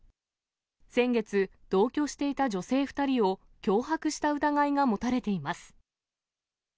先月、同居していた女性２人を脅迫した疑いが持たれています。